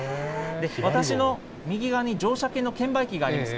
私の右側に乗車券の券売機があります。